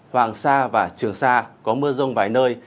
hoàng sa và trường sa có mưa rông vài nơi